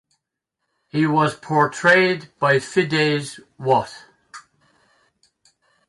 He was portrayed by Fiddes Watt.